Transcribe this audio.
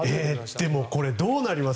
でもこれ、どうなります？